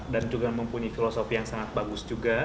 dan juga mempunyai filosofi yang sangat bagus juga